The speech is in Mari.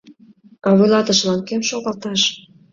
А вуйлатышылан кӧм шогалташ?